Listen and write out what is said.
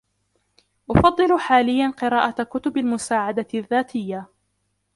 أفضل حاليا قراءة كتب المساعدة الذاتية.